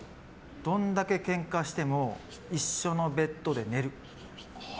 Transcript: どんだけけんかしても一緒のベッドで寝る。